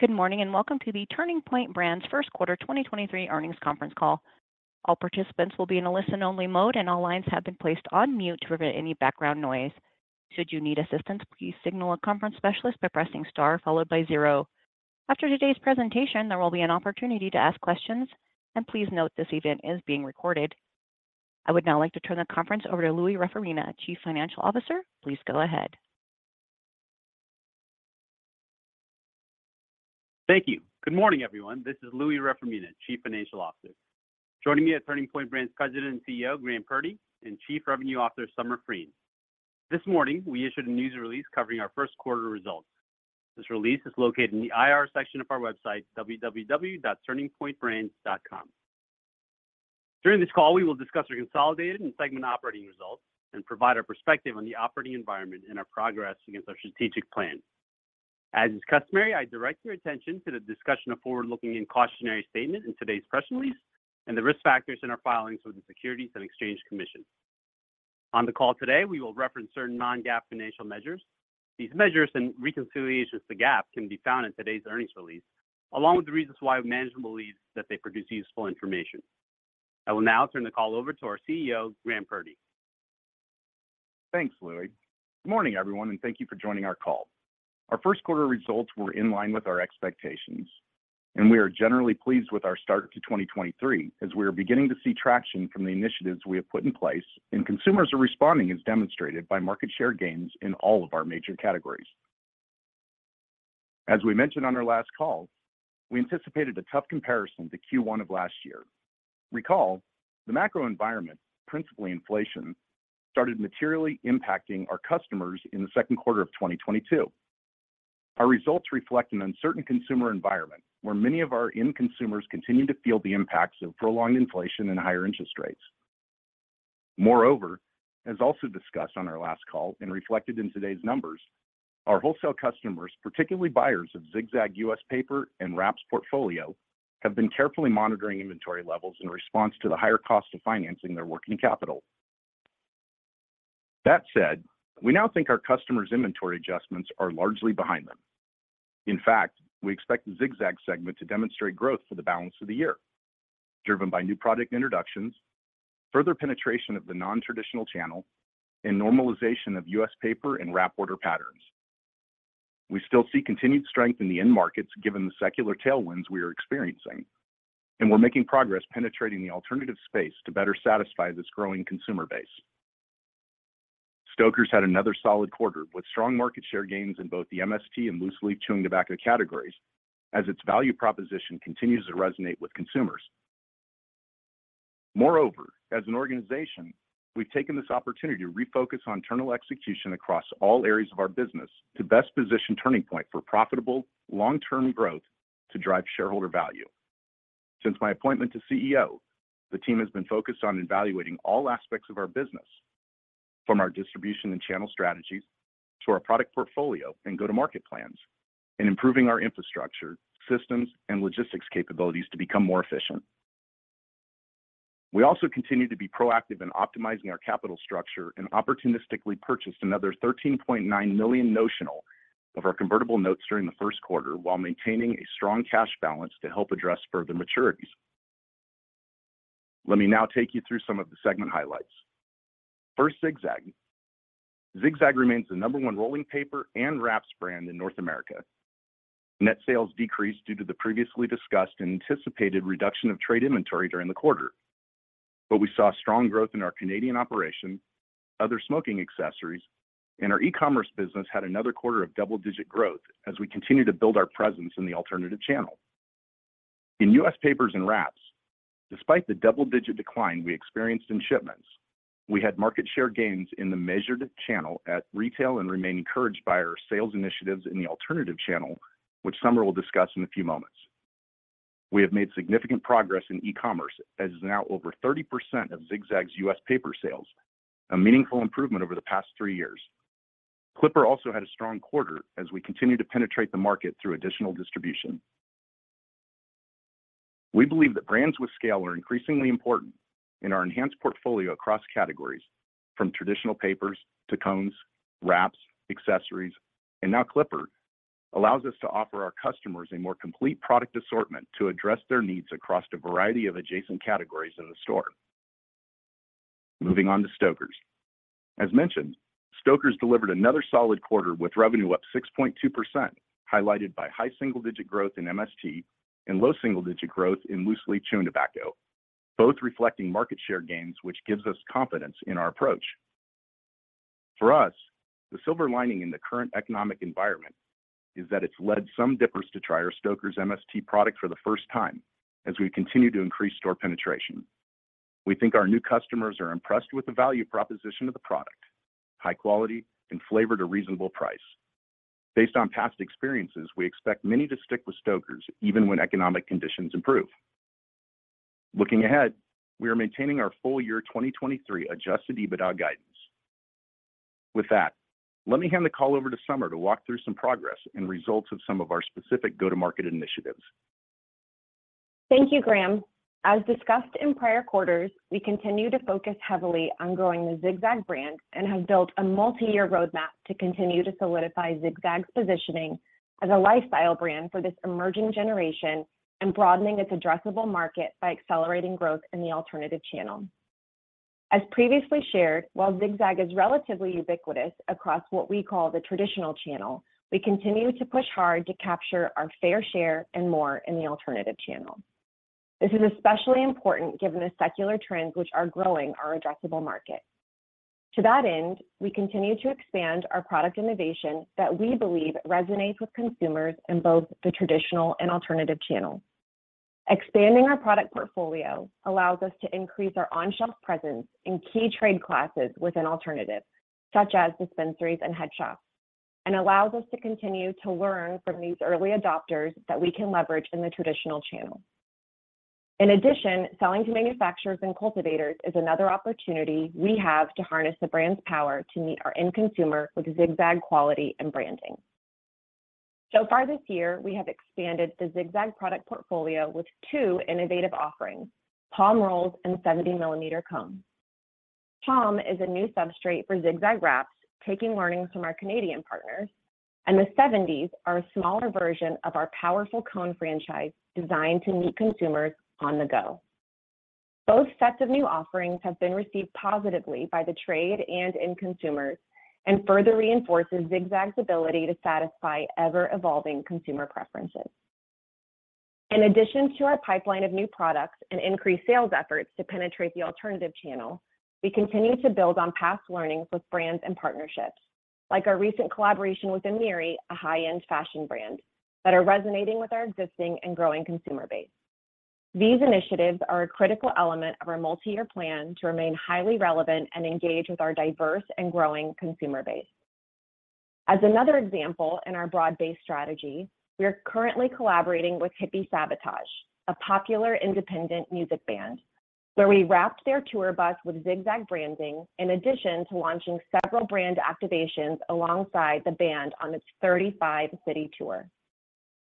Good morning, welcome to the Turning Point Brands Q1 2023 Earnings Conference Call. All participants will be in a listen-only mode, all lines have been placed on mute to prevent any background noise. Should you need assistance, please signal a conference specialist by pressing star 0. After today's presentation, there will be an opportunity to ask questions. Please note this event is being recorded. I would now like to turn the conference over to Louie Reformina, Chief Financial Officer. Please go ahead. Thank you. Good morning, everyone. This is Louie Reformina, Chief Financial Officer. Joining me are Turning Point Brands President and CEO, Graham Purdy, and Chief Revenue Officer, Summer Frein. This morning, we issued a news release covering our Q1 results. This release is located in the IR section of our website, www.turningpointbrands.com. During this call, we will discuss our consolidated and segment operating results and provide our perspective on the operating environment and our progress against our strategic plan. As is customary, I direct my attention to the discussion of forward-looking and cautionary statement in today's press release, and the risk factors in our filings with the Securities and Exchange Commission. On the call today, we will reference certain non-GAAP financial measures. These measures and reconciliations to GAAP can be found in today's earnings release, along with the reasons why management believes that they produce useful information. I will now turn the call over to our CEO, Graham Purdy. Thanks, Louie. Good morning, everyone, and thank you for joining our call. Our Q1 results were in line with our expectations, and we are generally pleased with our start to 2023 as we are beginning to see traction from the initiatives we have put in place, and consumers are responding as demonstrated by market share gains in all of our major categories. As we mentioned on our last call, we anticipated a tough comparison to Q1 of last year. Recall, the macro environment, principally inflation, started materially impacting our customers in the second quarter of 2022. Our results reflect an uncertain consumer environment, where many of our end consumers continue to feel the impacts of prolonged inflation and higher interest rates. Moreover, as also discussed on our last call and reflected in today's numbers, our wholesale customers, particularly buyers of Zig-Zag U.S. paper and wraps portfolio, have been carefully monitoring inventory levels in response to the higher cost of financing their working capital. That said, we now think our customers' inventory adjustments are largely behind them. In fact, we expect the Zig-Zag segment to demonstrate growth for the balance of the year, driven by new product introductions, further penetration of the non-traditional channel, and normalization of U.S. paper and wrap order patterns. We still see continued strength in the end markets, given the secular tailwinds we are experiencing, and we're making progress penetrating the alternative space to better satisfy this growing consumer base. Stoker's had another solid quarter with strong market share gains in both the MST and loosely chewing tobacco categories as its value proposition continues to resonate with consumers. As an organization, we've taken this opportunity to refocus on internal execution across all areas of our business to best position Turning Point for profitable long-term growth to drive shareholder value. Since my appointment to CEO, the team has been focused on evaluating all aspects of our business, from our distribution and channel strategies to our product portfolio and go-to-market plans, and improving our infrastructure, systems, and logistics capabilities to become more efficient. We also continue to be proactive in optimizing our capital structure and opportunistically purchased another $13.9 million notional of our convertible notes during Q1 while maintaining a strong cash balance to help address further maturities. Let me now take you through some of the segment highlights. First, Zig-Zag. Zig-Zag remains the number one rolling paper and wraps brand in North America. Net sales decreased due to the previously discussed and anticipated reduction of trade inventory during the quarter. We saw strong growth in our Canadian operations, other smoking accessories, and our eCommerce business had another quarter of double-digit growth as we continue to build our presence in the alternative channel. In U.S. papers and wraps, despite the double-digit decline we experienced in shipments, we had market share gains in the measured channel at retail and remain encouraged by our sales initiatives in the alternative channel, which Summer will discuss in a few moments. We have made significant progress in eCommerce as now over 30% of Zig-Zag's U.S. paper sales, a meaningful improvement over the past three years. CLIPPER also had a strong quarter as we continue to penetrate the market through additional distribution. We believe that brands with scale are increasingly important in our enhanced portfolio across categories, from traditional papers to cones, wraps, accessories, and now CLIPPER allows us to offer our customers a more complete product assortment to address their needs across a variety of adjacent categories in the store. Moving on to Stoker's. As mentioned, Stoker's delivered another solid quarter with revenue up 6.2%, highlighted by high single-digit growth in MST and low single-digit growth in loosely chewed tobacco, both reflecting market share gains, which gives us confidence in our approach. For us, the silver lining in the current economic environment is that it's led some dippers to try our Stoker's MST product for the first time as we continue to increase store penetration. We think our new customers are impressed with the value proposition of the product, high quality, and flavor at a reasonable price. Based on past experiences, we expect many to stick with Stoker's even when economic conditions improve. Looking ahead, we are maintaining our full year 2023 adjusted EBITDA guidance. With that, let me hand the call over to Summer to walk through some progress and results of some of our specific go-to-market initiatives Thank you, Graham. As discussed in prior quarters, we continue to focus heavily on growing the Zig-Zag brand and have built a multi-year roadmap to continue to solidify Zig-Zag's positioning as a lifestyle brand for this emerging generation and broadening its addressable market by accelerating growth in the alternative channel. As previously shared, while Zig-Zag is relatively ubiquitous across what we call the traditional channel, we continue to push hard to capture our fair share and more in the alternative channel. This is especially important given the secular trends which are growing our addressable market. To that end, we continue to expand our product innovation that we believe resonates with consumers in both the traditional and alternative channels. Expanding our product portfolio allows us to increase our on-shelf presence in key trade classes within alternatives, such as dispensaries and head shops, and allows us to continue to learn from these early adopters that we can leverage in the traditional channel. In addition, selling to manufacturers and cultivators is another opportunity we have to harness the brand's power to meet our end consumer with Zig-Zag quality and branding. So far this year, we have expanded the Zig-Zag product portfolio with two innovative offerings, Palm Rolls and 70's Cones. Palm is a new substrate for Zig-Zag wraps, taking learnings from our Canadian partners, and the seventies are a smaller version of our powerful cone franchise designed to meet consumers on the go. Both sets of new offerings have been received positively by the trade and end consumers and further reinforces Zig-Zag's ability to satisfy ever-evolving consumer preferences. In addition to our pipeline of new products and increased sales efforts to penetrate the alternative channel, we continue to build on past learnings with brands and partnerships, like our recent collaboration with AMIRI, a high-end fashion brand, that are resonating with our existing and growing consumer base. These initiatives are a critical element of our multi-year plan to remain highly relevant and engage with our diverse and growing consumer base. As another example in our broad-based strategy, we are currently collaborating with Hippie Sabotage, a popular independent music band, where we wrapped their tour bus with Zig-Zag branding in addition to launching several brand activations alongside the band on its 35-city tour.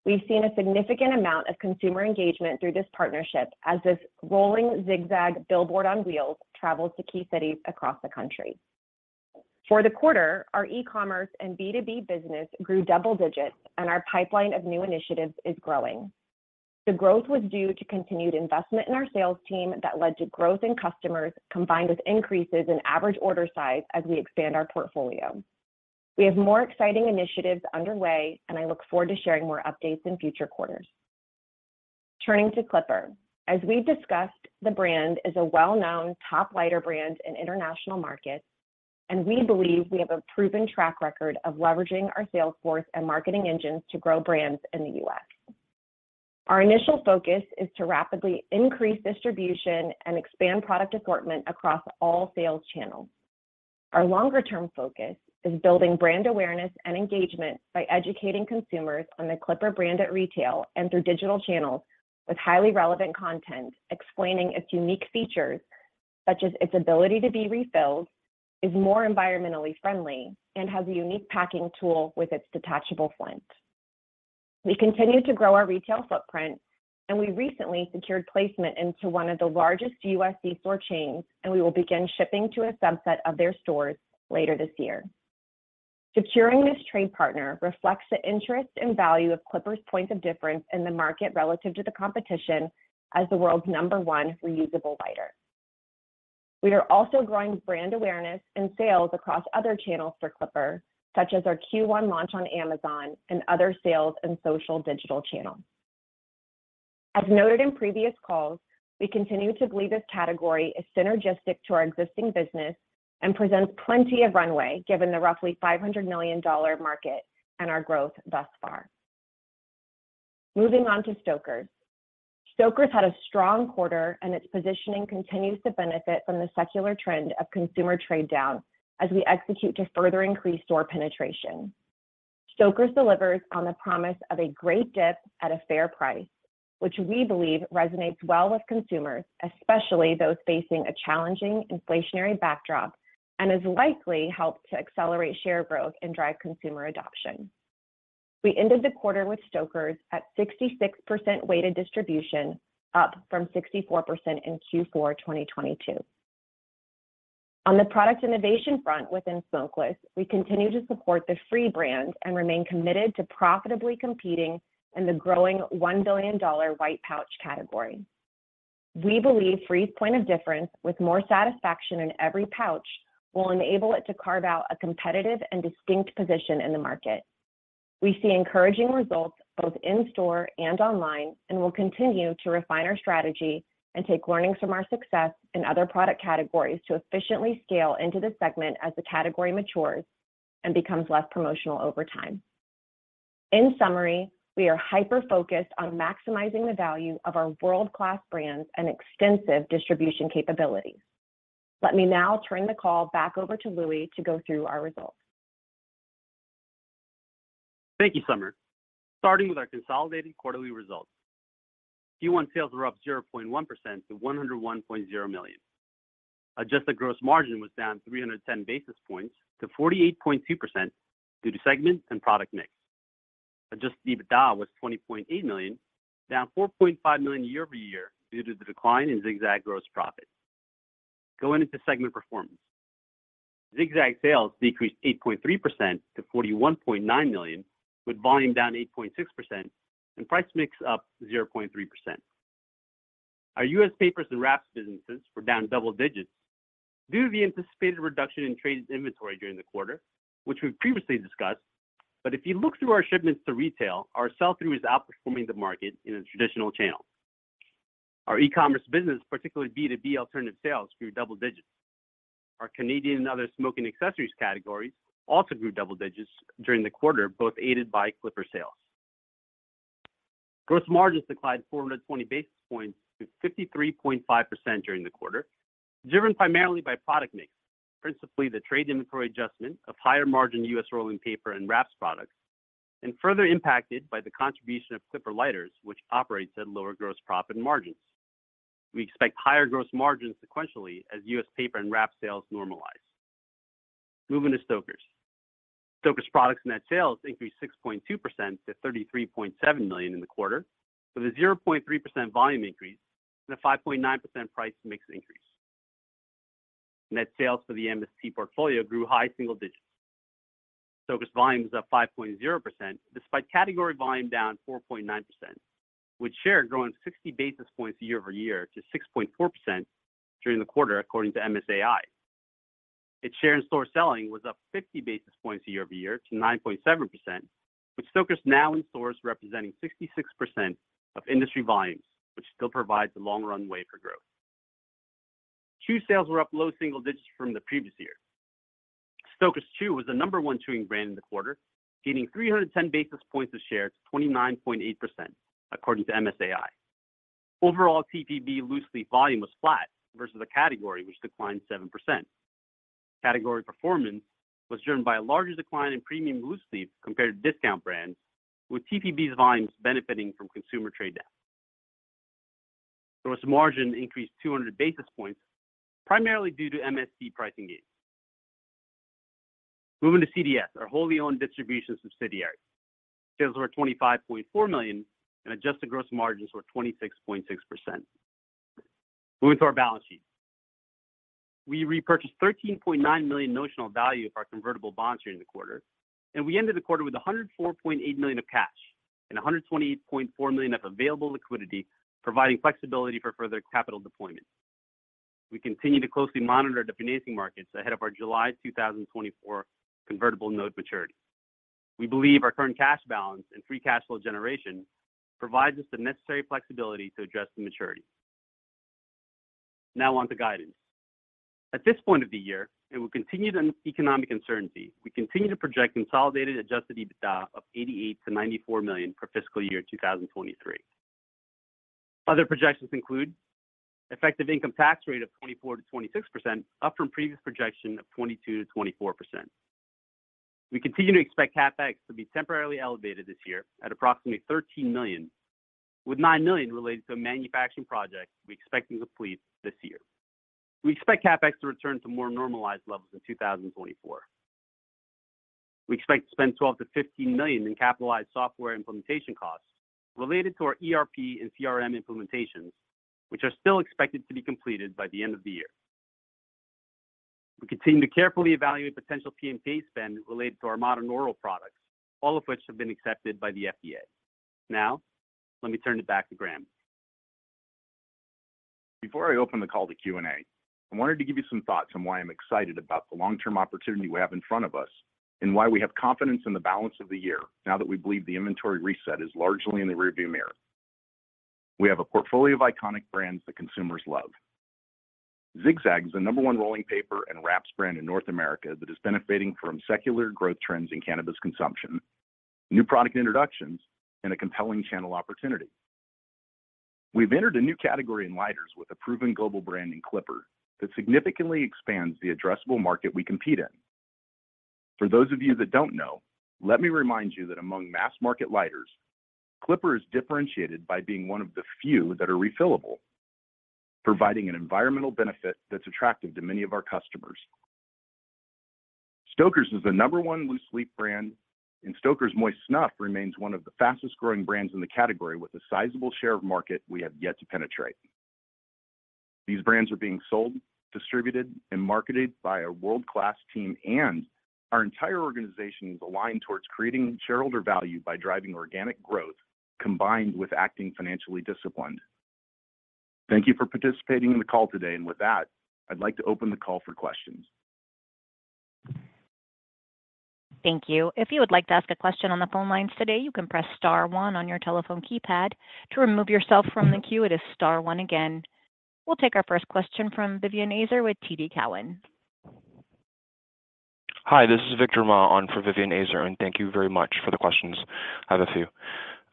We've seen a significant amount of consumer engagement through this partnership as this rolling Zig-Zag billboard on wheels travels to key cities across the country. For the quarter, our e-commerce and B2B business grew double digits. Our pipeline of new initiatives is growing. The growth was due to continued investment in our sales team that led to growth in customers combined with increases in average order size as we expand our portfolio. We have more exciting initiatives underway. I look forward to sharing more updates in future quarters. Turning to CLIPPER. As we've discussed, the brand is a well-known top lighter brand in international markets. We believe we have a proven track record of leveraging our sales force and marketing engines to grow brands in the U.S. Our initial focus is to rapidly increase distribution and expand product assortment across all sales channels. Our longer-term focus is building brand awareness and engagement by educating consumers on the CLIPPER brand at retail and through digital channels with highly relevant content explaining its unique features, such as its ability to be refilled, is more environmentally friendly, and has a unique packing tool with its detachable flint. We continue to grow our retail footprint, and we recently secured placement into one of the largest U.S. C-store chains, and we will begin shipping to a subset of their stores later this year. Securing this trade partner reflects the interest and value of CLIPPER's points of difference in the market relative to the competition as the world's number one reusable lighter. We are also growing brand awareness and sales across other channels for CLIPPER, such as our Q1 launch on Amazon and other sales and social digital channels. As noted in previous calls, we continue to believe this category is synergistic to our existing business and presents plenty of runway, given the roughly $500 million market and our growth thus far. Moving on to Stoker's. Stoker's had a strong quarter, and its positioning continues to benefit from the secular trend of consumer trade down as we execute to further increase store penetration. Stoker's delivers on the promise of a great dip at a fair price, which we believe resonates well with consumers, especially those facing a challenging inflationary backdrop, and has likely helped to accelerate share growth and drive consumer adoption. We ended the quarter with Stoker's at 66% weighted distribution, up from 64% in Q4 2022. On the product innovation front within Smokeless, we continue to support the FRE brand and remain committed to profitably competing in the growing $1 billion white pouch category. We believe FRE's point of difference with more satisfaction in every pouch will enable it to carve out a competitive and distinct position in the market. We see encouraging results both in-store and online, We'll continue to refine our strategy and take learnings from our success in other product categories to efficiently scale into this segment as the category matures and becomes less promotional over time. In summary, we are hyper-focused on maximizing the value of our world-class brands and extensive distribution capabilities. Let me now turn the call back over to Louie to go through our results. Thank you, Summer. Starting with our consolidated quarterly results. Q1 sales were up 0.1% to $101.0 million. Adjusted gross margin was down 310 basis points to 48.2% due to segment and product mix. Adjusted EBITDA was $20.8 million, down $4.5 million year-over-year due to the decline in Zig-Zag gross profit. Going into segment performance. Zig-Zag sales decreased 8.3% to $41.9 million, with volume down 8.6% and price mix up 0.3%. Our U.S. papers and wraps businesses were down double digits due to the anticipated reduction in trade inventory during the quarter, which we've previously discussed. If you look through our shipments to retail, our sell-through is outperforming the market in a traditional channel. Our E-commerce business, particularly B2B alternative sales, grew double digits. Our Canadian and other smoking accessories categories also grew double digits during the quarter, both aided by CLIPPER sales. Gross margins declined 420 basis points to 53.5% during the quarter, driven primarily by product mix, principally the trade inventory adjustment of higher margin U.S. rolling paper and wraps products, and further impacted by the contribution of CLIPPER lighters, which operates at lower gross profit margins. We expect higher gross margins sequentially as U.S. paper and wrap sales normalize. Moving to Stoker's. Stoker's products net sales increased 6.2% to $33.7 million in the quarter, with a 0.3% volume increase and a 5.9% price mix increase. Net sales for the MST portfolio grew high single digits. Stoker's volumes up 5.0% despite category volume down 4.9%, with share growing 60 basis points year-over-year to 6.4% during the quarter, according to MSAi. Its share in store selling was up 50 basis points year-over-year to 9.7%, with Stoker's now in stores representing 66% of industry volumes, which still provides a long runway for growth. Chew sales were up low single digits from the previous year. Stoker's Chew was the number one chewing brand in the quarter, gaining 310 basis points of share to 29.8%, according to MSAi. Overall, TPB loose-leaf volume was flat versus the category, which declined 7%. Category performance was driven by a larger decline in premium loose-leaf compared to discount brands, with TPB's volumes benefiting from consumer trade down. Gross margin increased 200 basis points, primarily due to MST pricing gains. Moving to CDS, our wholly owned distribution subsidiary. Sales were $25.4 million, and adjusted gross margins were 26.6%. Moving to our balance sheet. We repurchased $13.9 million notional value of our convertible bonds during the quarter, and we ended the quarter with $104.8 million of cash and $128.4 million of available liquidity, providing flexibility for further capital deployment. We continue to closely monitor the financing markets ahead of our July 2024 convertible note maturity. We believe our current cash balance and free cash flow generation provides us the necessary flexibility to address the maturity. On to guidance. At this point of the year, with continued economic uncertainty, we continue to project consolidated adjusted EBITDA of $88 million-$94 million for fiscal year 2023. Other projections include effective income tax rate of 24%-26%, up from previous projection of 22%-24%. We continue to expect CapEx to be temporarily elevated this year at approximately $13 million, with $9 million related to a manufacturing project we expect to complete this year. We expect CapEx to return to more normalized levels in 2024. We expect to spend $12 million-$15 million in capitalized software implementation costs related to our ERP and CRM implementations, which are still expected to be completed by the end of the year. We continue to carefully evaluate potential PMTA spend related to our modern oral products, all of which have been accepted by the FDA. Let me turn it back to Graham. Before I open the call to Q&A, I wanted to give you some thoughts on why I'm excited about the long-term opportunity we have in front of us, and why we have confidence in the balance of the year now that we believe the inventory reset is largely in the rearview mirror. We have a portfolio of iconic brands that consumers love. Zig-Zag is the number one rolling paper and wraps brand in North America that is benefiting from secular growth trends in cannabis consumption, new product introductions, and a compelling channel opportunity. We've entered a new category in lighters with a proven global brand in CLIPPER that significantly expands the addressable market we compete in. For those of you that don't know, let me remind you that among mass market lighters, CLIPPER is differentiated by being one of the few that are refillable, providing an environmental benefit that's attractive to many of our customers. Stoker's is the number one loose-leaf brand, and Stoker's Moist Snuff remains one of the fastest-growing brands in the category with a sizable share of market we have yet to penetrate. These brands are being sold, distributed, and marketed by a world-class team, and our entire organization is aligned towards creating shareholder value by driving organic growth combined with acting financially disciplined. Thank you for participating in the call today. With that, I'd like to open the call for questions. Thank you. If you would like to ask a question on the phone lines today, you can press star one on your telephone keypad. To remove yourself from the queue, it is star one again. We'll take our first question from Vivien Azer with TD Cowen. Hi, this is Victor Ma on for Vivien Azer. Thank you very much for the questions. I have a few.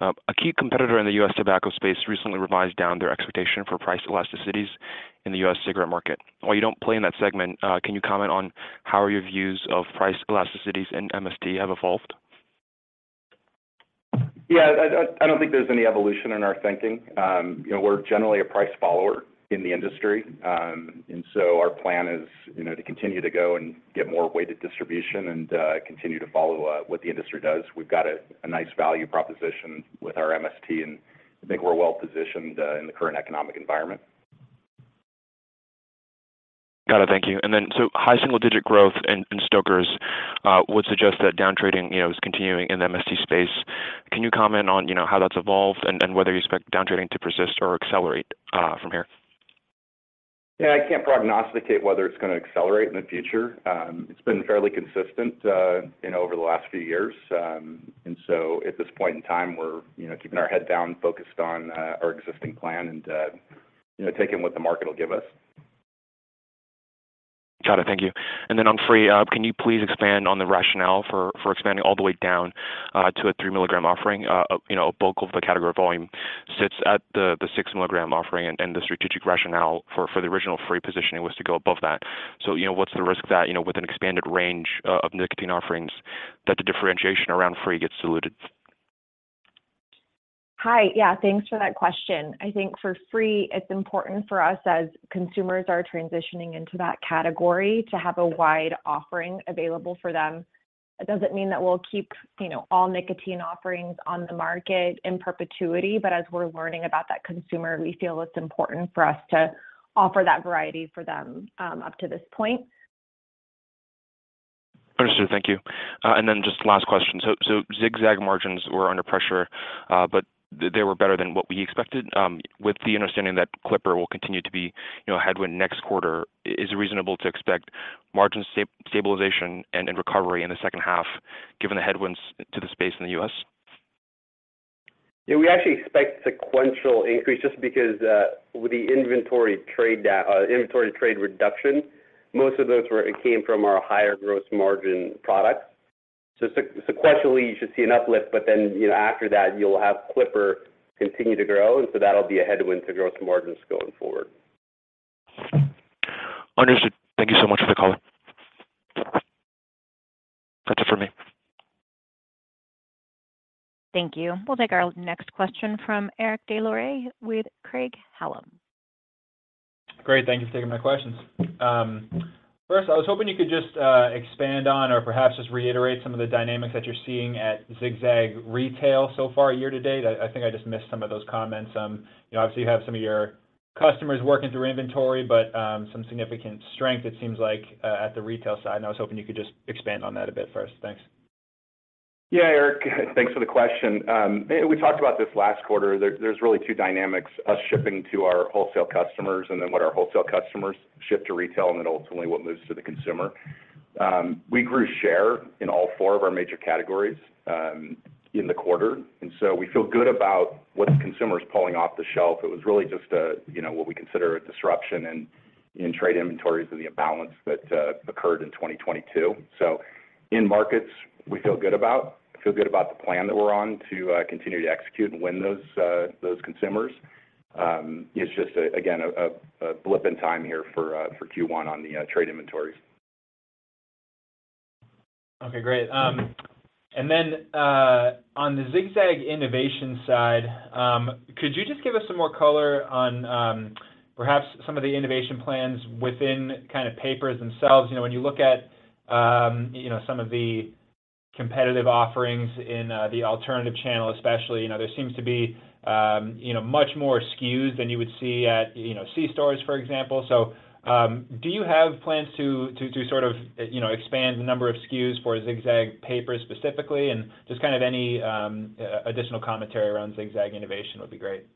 A key competitor in the U.S. tobacco space recently revised down their expectation for price elasticities in the U.S. cigarette market. While you don't play in that segment, can you comment on how your views of price elasticities in MST have evolved? Yeah, I don't think there's any evolution in our thinking. You know, we're generally a price follower in the industry. Our plan is, you know, to continue to go and get more weighted distribution and continue to follow what the industry does. We've got a nice value proposition with our MST, and I think we're well-positioned in the current economic environment. Got it. Thank you. High single-digit growth in Stoker's would suggest that down-trading, you know, is continuing in the MST space. Can you comment on, you know, how that's evolved and whether you expect down-trading to persist or accelerate from here? Yeah, I can't prognosticate whether it's gonna accelerate in the future. It's been fairly consistent, you know, over the last few years. At this point in time, we're, you know, keeping our head down, focused on our existing plan and, you know, taking what the market will give us. Got it. Thank you. On FRE, can you please expand on the rationale for expanding all the way down to a 3-milligram offering? You know, a bulk of the category volume sits at the 6-milligram offering, and the strategic rationale for the original FRE positioning was to go above that. You know, what's the risk that, you know, with an expanded range of nicotine offerings, that the differentiation around FRE gets diluted? Thanks for that question. I think for FRE, it's important for us as consumers are transitioning into that category to have a wide offering available for them. It doesn't mean that we'll keep, you know, all nicotine offerings on the market in perpetuity, but as we're learning about that consumer, we feel it's important for us to offer that variety for them up to this point. Understood. Thank you. Just last question. Zig-Zag margins were under pressure. They were better than what we expected. With the understanding that CLIPPER will continue to be, you know, a headwind next quarter, is it reasonable to expect margin stabilization and recovery in the second half given the headwinds to the space in the U.S.? Yeah, we actually expect sequential increase just because with the inventory trade reduction, it came from our higher gross margin products. Sequentially, you should see an uplift, but then, you know, after that, you'll have CLIPPER continue to grow, and so that'll be a headwind to gross margins going forward. Understood. Thank you so much for the color. That's it for me. Thank you. We'll take our next question from Eric Des Lauriers with Craig-Hallum. Great. Thank you for taking my questions. first, I was hoping you could just expand on or perhaps just reiterate some of the dynamics that you're seeing at Zig-Zag retail so far year to date. I think I just missed some of those comments. you know, obviously, you have some of your customers working through inventory, but some significant strength it seems like at the retail side, and I was hoping you could just expand on that a bit first. Thanks. Yeah, Eric. Thanks for the question. We talked about this last quarter. There's really two dynamics, us shipping to our wholesale customers and then what our wholesale customers ship to retail and then ultimately what moves to the consumer. We grew share in all four of our major categories in the quarter, and so we feel good about what the consumer's pulling off the shelf. It was really just a, you know, what we consider a disruption in trade inventories of the imbalance that occurred in 2022. In markets, we feel good about. Feel good about the plan that we're on to continue to execute and win those consumers. It's just again, a blip in time here for Q1 on the trade inventories. Okay, great. On the Zig-Zag innovation side, could you just give us some more color on perhaps some of the innovation plans within kind of papers themselves? You know, when you look at, you know, some of the competitive offerings in the alternative channel, especially, you know, there seems to be, you know, much more SKUs than you would see at, you know, C stores, for example. Do you have plans to sort of, you know, expand the number of SKUs for Zig-Zag papers specifically? Kind of any additional commentary around Zig-Zag innovation would be great.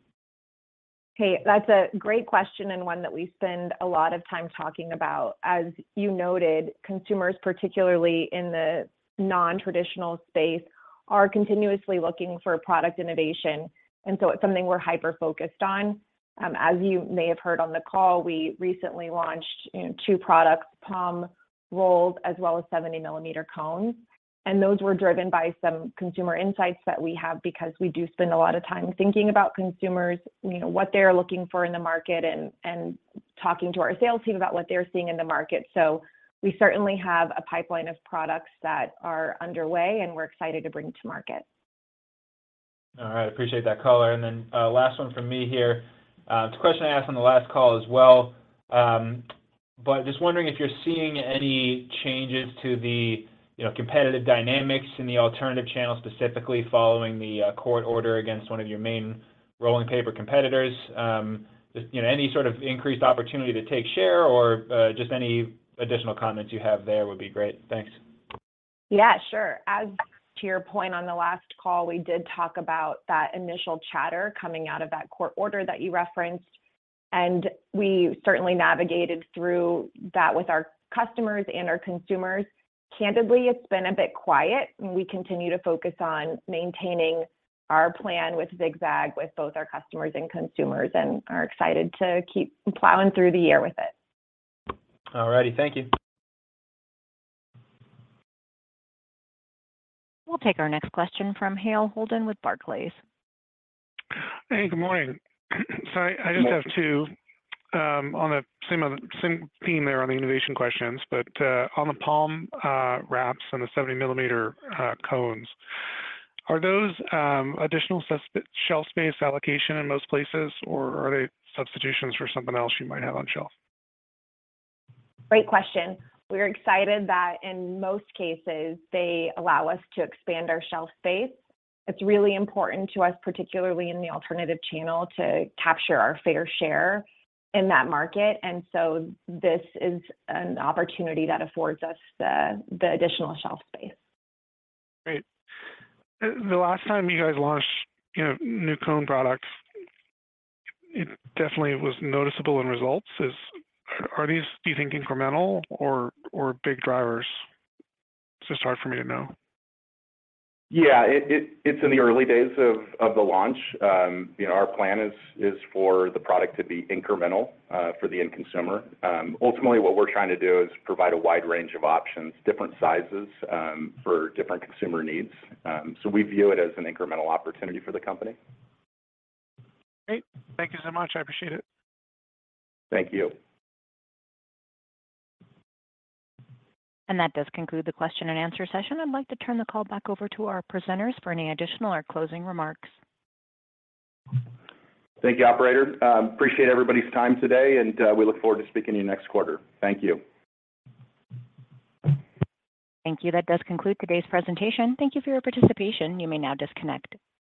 Hey, that's a great question and one that we spend a lot of time talking about. As you noted, consumers, particularly in the non-traditional space, are continuously looking for product innovation, and so it's something we're hyper-focused on. As you may have heard on the call, we recently launched, you know, two products, Palm Rolls as well as 70's Cones, and those were driven by some consumer insights that we have because we do spend a lot of time thinking about consumers, you know, what they're looking for in the market and talking to our sales team about what they're seeing in the market. We certainly have a pipeline of products that are underway, and we're excited to bring to market. All right. Appreciate that color. Last one from me here. It's a question I asked on the last call as well. Just wondering if you're seeing any changes to the, you know, competitive dynamics in the alternative channel, specifically following the court order against one of your main rolling paper competitors, just, you know, any sort of increased opportunity to take share or just any additional comments you have there would be great? Thanks. Yeah, sure. As to your point on the last call, we did talk about that initial chatter coming out of that court order that you referenced. We certainly navigated through that with our customers and our consumers. Candidly, it's been a bit quiet. We continue to focus on maintaining our plan with Zig-Zag with both our customers and consumers and are excited to keep plowing through the year with it. All righty. Thank you. We'll take our next question from Hale Holden with Barclays. Good morning. Sorry, I just have two on the same theme there on the innovation questions, on the Palm wraps and the 70-millimeter cones, are those additional shelf space allocation in most places, or are they substitutions for something else you might have on shelf? Great question. We're excited that in most cases, they allow us to expand our shelf space. It's really important to us, particularly in the alternative channel, to capture our fair share in that market. This is an opportunity that affords us the additional shelf space. Great. The last time you guys launched, you know, new cone products, it definitely was noticeable in results. Are these, do you think, incremental or big drivers? It's just hard for me to know. Yeah. It's in the early days of the launch. You know, our plan is for the product to be incremental for the end consumer. Ultimately, what we're trying to do is provide a wide range of options, different sizes, for different consumer needs. We view it as an incremental opportunity for the company. Great. Thank you so much. I appreciate it. Thank you. That does conclude the question and answer session. I'd like to turn the call back over to our presenters for any additional or closing remarks. Thank you, operator. Appreciate everybody's time today. We look forward to speaking to you next quarter. Thank you. Thank you. That does conclude today's presentation. Thank you for your participation. You may now disconnect.